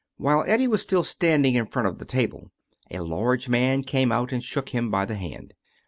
While Eddie was still standing in front of the table a large man came out and took him by the hand.